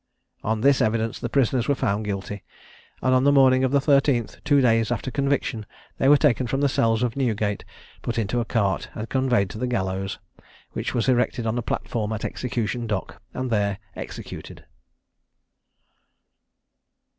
On this evidence the prisoners were found guilty; and on the morning of the 13th, two days after conviction, they were taken from the cells of Newgate, put into a cart, and conveyed to the gallows, which was erected on a platform at Execution Dock, and there executed.